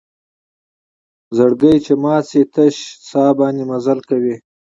زړګۍ چې مات شي تشه سا باندې مزلې کوي